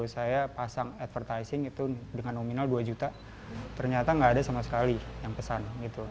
saya pasang advertising itu dengan nominal dua juta ternyata nggak ada sama sekali yang pesan